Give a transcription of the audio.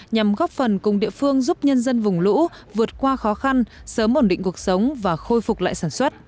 nhằm góp phần cùng địa phương giúp nhân dân vùng lũ vượt qua khó khăn sớm ổn định cuộc sống và khôi phục lại sản xuất